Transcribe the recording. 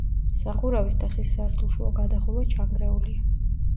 სახურავის და ხის სართულშუა გადახურვა ჩანგრეულია.